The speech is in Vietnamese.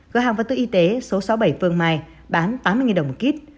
cửa hàng văn tư y tế số sáu mươi bảy phương mai bán tám mươi đồng một kết